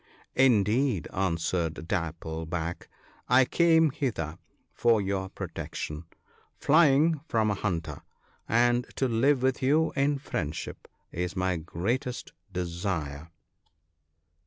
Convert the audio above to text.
" Indeed," answered Dapple back, " I came hither for your protection, flying from a hunter; and to live with you in friendship is my greatest desire."